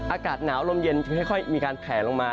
อากาศหนาวลมเย็นจะค่อยมีการแผลลงมา